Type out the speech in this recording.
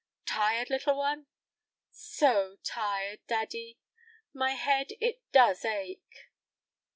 "Tired, little one?" "So tired, daddy! My head, it does ache."